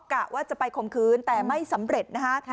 กะว่าจะไปคมคืนแต่ไม่สำเร็จนะคะ